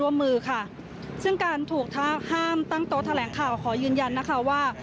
ซึ่งการถูกห้ามตั้งโต๊ะแถลงข่าวขอยืนยันนะคะว่า